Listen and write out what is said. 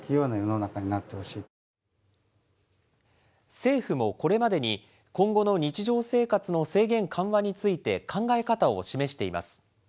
政府もこれまでに、今後の日常生活の制限緩和について、考え方を示しています。